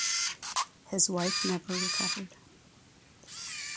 His wife never recovered.